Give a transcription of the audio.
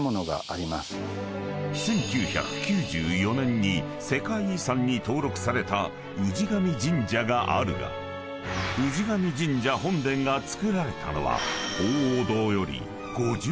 ［１９９４年に世界遺産に登録された宇治上神社があるが宇治上神社本殿が造られたのは］